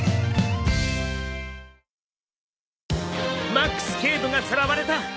マックス警部がさらわれた。